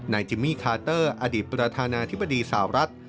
จิมมี่คาเตอร์อดีตประธานาธิบดีสาวรัฐ